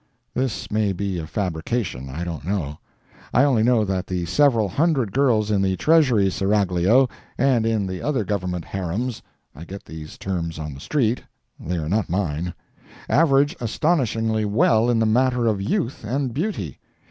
This may be a fabrication—I don't know. I only know that the several hundred girls in the Treasury Seraglio and in the other Government harems (I get these terms on the street—they are not mine) average astonishingly well in the matter of youth and beauty.